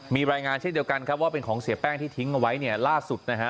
มีรายงานเช่นเดียวกันครับว่าเป็นของเสียแป้งที่ทิ้งเอาไว้เนี่ยล่าสุดนะฮะ